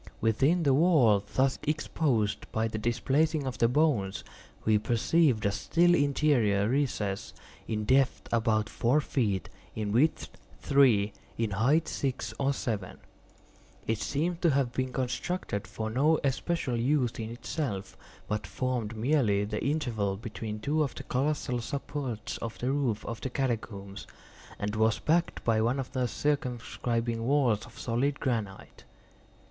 Within the wall thus exposed by the displacing of the bones, we perceived a still interior recess, in depth about four feet, in width three, in height six or seven. It seemed to have been constructed for no especial use in itself, but formed merely the interval between two of the colossal supports of the roof of the catacombs, and was backed by one of their circumscribing walls of solid granite.